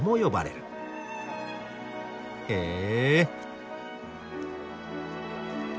へえ。